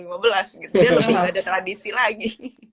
dia udah nggak ada tradisi lagi